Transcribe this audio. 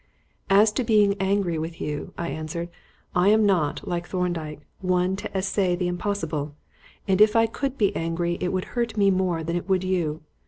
"As to being angry with you," I answered, "I am not, like Thorndyke, one to essay the impossible, and if I could be angry it would hurt me more than it would you.